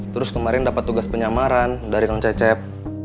terus kemarin dapat tugas penyamaran dari kang cecep